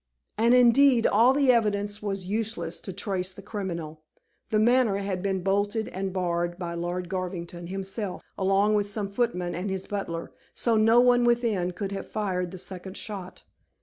And indeed all the evidence was useless to trace the criminal. The Manor had been bolted and barred by Lord Garvington himself, along with some footmen and his butler, so no one within could have fired the second shot.